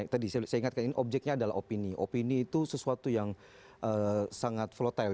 tadi saya ingatkan ini objeknya adalah opini opini itu sesuatu yang sangat volatile